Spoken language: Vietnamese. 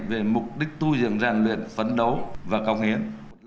về mục đích tu dựng ràng luyện phấn đấu và công hiến